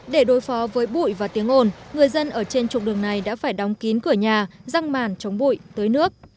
để đối phó với bụi và tiếng ồn người dân ở trên trục đường này đã phải đóng kín cửa nhà răng màn chống bụi tới nước